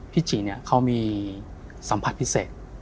พี่จิเขามีสัมผัสพิเศษ